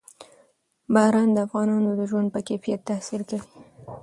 باران د افغانانو د ژوند په کیفیت تاثیر کوي.